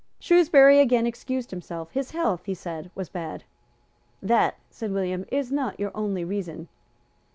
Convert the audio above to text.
Shrewsbury again excused himself. His health, he said, was bad. "That," said William, "is not your only reason."